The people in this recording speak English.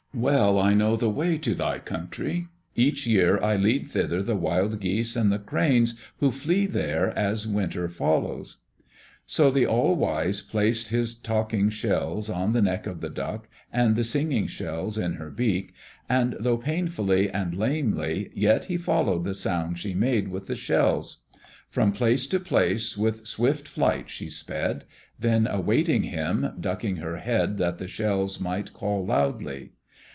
Well I know the way to thy country. Each year I lead thither the wild geese and the cranes who flee there as winter follows." So the All wise placed his talking shells on the neck of the Duck, and the singing shells in her beak, and though painfully and lamely, yet he followed the sound she made with the shells. From place to place with swift flight she sped, then awaiting him, ducking her head that the shells might call loudly.